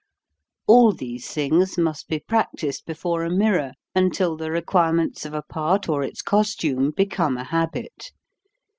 All these things must be practised before a mirror until the requirements of a part or its costume become a habit.